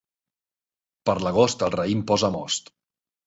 Per l'agost el raïm posa most.